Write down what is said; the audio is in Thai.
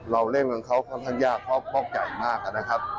เราเล่นกับเขาค่อนข้างยากเพราะใหญ่มากนะครับ